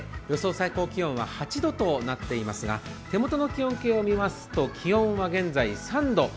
予想最高気温は８度となっていますが手元の気温計を見ますと気温は現在３度。